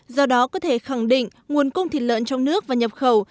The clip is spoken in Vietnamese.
do đó có thể khẳng định nguồn cung thịt lợn trong nước và nhập khẩu